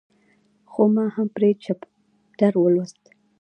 خو ما هم پرې چپټر ولوست.